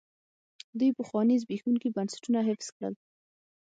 دوی پخواني زبېښونکي بنسټونه حفظ کړل.